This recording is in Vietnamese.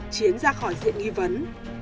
chiến ra khỏi diện nghi vấn